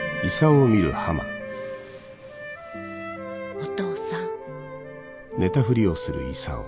お父さん。